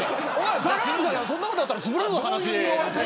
そんなことやったらつぶれるぞ話。